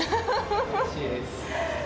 うれしいです。